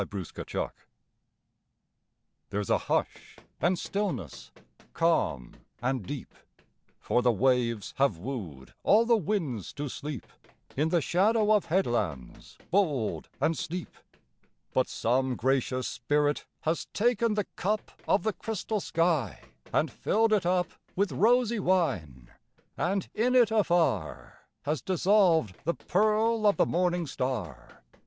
8 Autoplay There's a hush and stillness calm and deep, For the waves have wooed all the winds to sleep In the shadow of headlands bold and steep; But some gracious spirit has taken the cup Of the crystal sky and filled it up With rosy wine, and in it afar Has dissolved the pearl of the morning star.